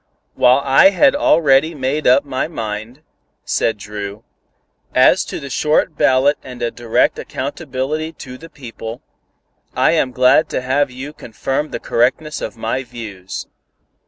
"While I had already made up my mind," said Dru, "as to the short ballot and a direct accountability to the people, I am glad to have you confirm the correctness of my views."